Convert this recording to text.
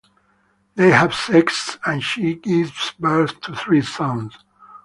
They have sex, and she gives birth to three sons.